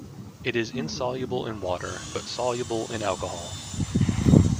It is insoluble in water, but soluble in alcohol.